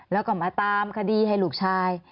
แล้วก็มาตามคดีให้ลูกชาย